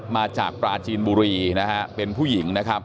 มาจากประจินบุรีเป็นผู้หญิง